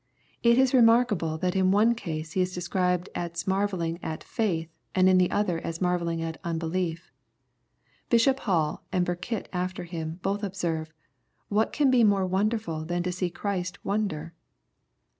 It is remarkable that in one case He is described as marvelling at " faith," and in the other aa marvelling at "unbehef." Bishop Hall, and Burkitt after him, both observe, " What can be more wonderful than to see Christ wonder